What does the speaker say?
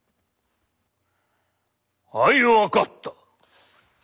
「あい分かった」。